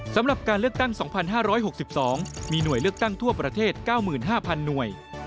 สำหรับการเลือกตั้ง๒๕๖๒มีหน่วยเลือกตั้งทั่วประเทศ๙๕๐๐หน่วย